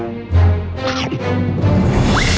โดยเจ้าของเรา